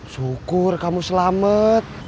syukur kamu selamat